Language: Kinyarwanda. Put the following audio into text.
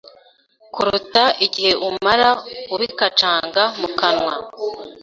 kuruta igihe umara ubikacanga mu kanwa.